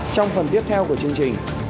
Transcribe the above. trong phần tiếp theo của chương trình